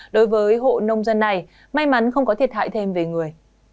đối với hộ nông dân này may mắn không có thiệt hại thêm về người